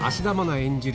演じる